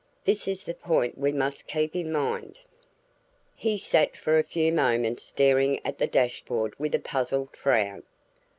This is the point we must keep in mind." He sat for a few moments staring at the dashboard with a puzzled frown.